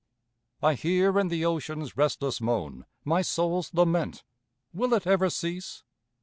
I hear in the ocean's restless moan My soul's lament. Will it ever cease?